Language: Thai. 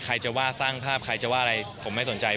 ใครจะว่าสร้างภาพใครจะว่าอะไรผมไม่สนใจ